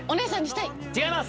違います。